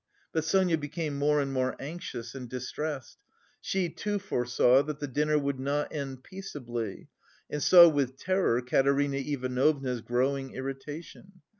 But Sonia became more and more anxious and distressed; she, too, foresaw that the dinner would not end peaceably, and saw with terror Katerina Ivanovna's growing irritation.